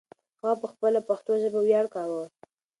هغه په خپله پښتو ژبه ویاړ کاوه.